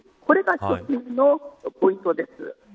これが喫緊のポイントです。